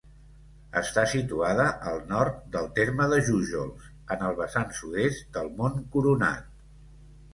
Està situada al nord del terme de Jújols, en el vessant sud-est del Mont Coronat.